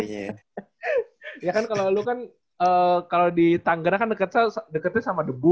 ya kan kalau lu kan kalau di tanggera kan deketnya sama debu